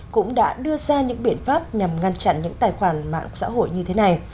cũng đã đưa ra những biện pháp nhằm ngăn chặn những tài khoản mạng xã hội như thế này